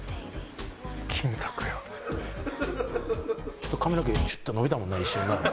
ちょっと髪の毛シュッと伸びたもんな一瞬な。